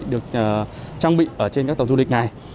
được trang bị trên các tàu du lịch này